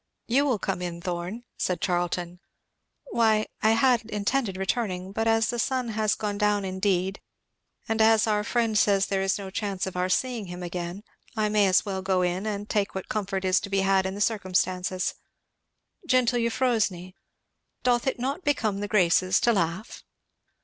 "You will come in, Thorn," said Charlton. "Why I had intended returning, but the sun has gone down indeed, and as our friend says there is no chance of our seeing him again I may as well go in and take what comfort is to be had in the circumstances. Gentle Euphrosyne, doth it not become the Graces to laugh?"